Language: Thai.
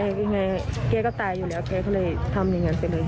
ยังไงแกก็ตายอยู่แล้วแกก็เลยทำอย่างนั้นไปเลย